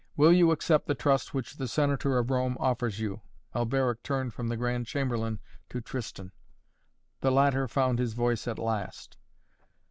"Will you accept the trust which the Senator of Rome offers you?" Alberic turned from the Grand Chamberlain to Tristan. The latter found his voice at last.